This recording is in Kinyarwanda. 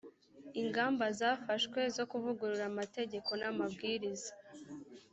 ingamba zafashwe zo kuvugurura amategeko n’amabwiriza